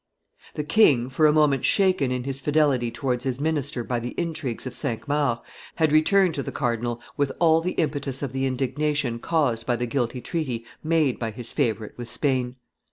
] The king, for a moment shaken in his fidelity towards his minister by the intrigues of Cinq Mars, had returned to the cardinal with all the impetus of the indignation caused by the guilty treaty made by his favorite with Spain.